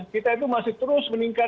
kita itu masih terus meningkat